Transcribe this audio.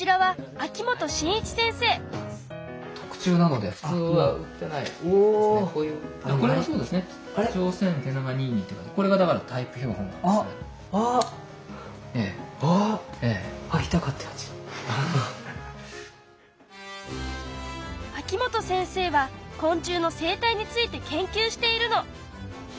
秋元先生は昆虫の生態について研究しているの。